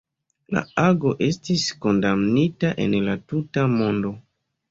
La ago estis kondamnita en la tuta mondo.